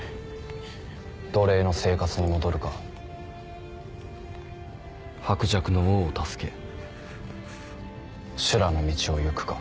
奴隷の生活に戻るか薄弱の王を助け修羅の道を行くか。